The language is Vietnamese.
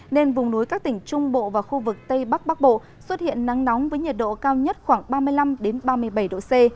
nên vùng núi các tỉnh trung bộ và khu vực tây bắc bắc bộ xuất hiện nắng nóng với nhiệt độ cao nhất khoảng ba mươi năm ba mươi bảy độ c